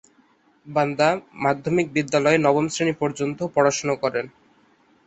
বান্দা মাধ্যমিক বিদ্যালয়ে নবম শ্রেণী পর্যন্ত পড়াশোনা করেন।